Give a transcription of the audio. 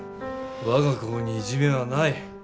我が校にいじめはない。